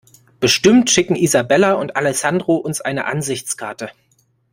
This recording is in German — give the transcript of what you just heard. Bestimmt schicken Isabella und Alessandro uns eine Ansichtskarte.